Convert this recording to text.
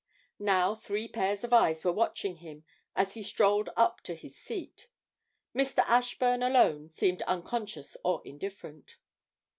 Now three pairs of eyes were watching him as he strolled up to his seat; Mr. Ashburn alone seemed unconscious or indifferent.